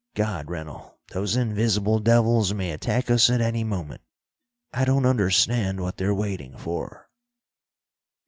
God, Rennell, those invisible devils may attack us at any moment. I don't understand what they're waiting for."